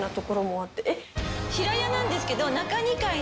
平屋なんですけど。